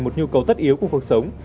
một nhu cầu tất yếu của cuộc sống